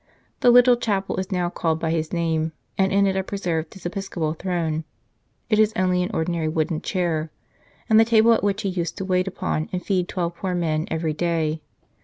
The little chapel is now called by his name, and in it are preserved his episcopal throne it is only an ordinary wooden chair and the table at which he used to wait upon and feed twelve poor men every day.